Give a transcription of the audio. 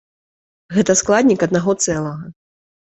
Гэта складнік аднаго цэлага.